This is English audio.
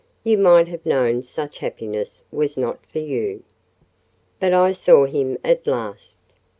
You might have known such happiness was not for you." But I saw him at last.